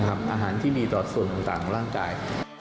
อาหารที่มีต่อส่วนต่างของร่างกาย